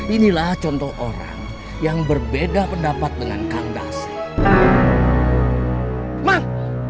inilah contoh orang yang berbeda pendapat dengan kang dasi